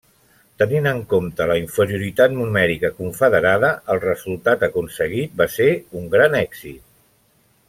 Tenint en compte la inferioritat numèrica confederada, el resultat aconseguit va ser un gran èxit.